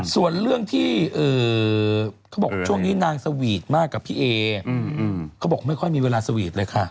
ส่วนเรื่องที่เขาบอกช่วงนี้นางสวีทมากกับพี่เอเขาบอกไม่ค่อยมีเวลาสวีทเลยค่ะ